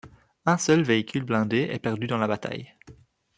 Un seul véhicule blindé est perdu dans la bataille.